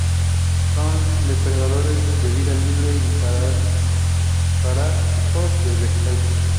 Son depredadores de vida libre o parásitos de vegetales.